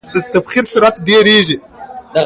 د تبخیر سرعت ډیریږي.